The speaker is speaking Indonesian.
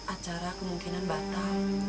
acara kemungkinan batal